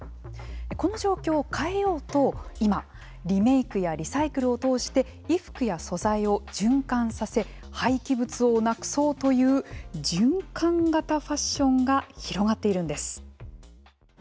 この状況を変えようと、今リメイクやリサイクルを通して衣服や素材を循環させ廃棄物をなくそうという循環型ファッションが広がっているんです。